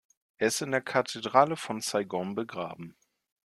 Er ist in der Kathedrale von Saigon begraben.